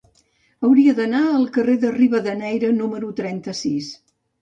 Hauria d'anar al carrer de Rivadeneyra número trenta-sis.